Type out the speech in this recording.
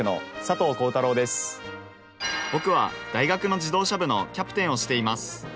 僕は大学の自動車部のキャプテンをしています。